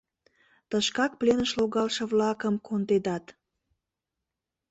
Тышкак пленыш логалше-влакымкондедат.